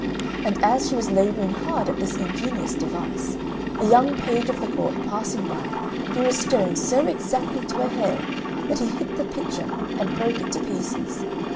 And as she was labouring hard at this ingenious device, a young page of the court passing by threw a stone so exactly to a hair that he hit the pitcher and broke it to pieces.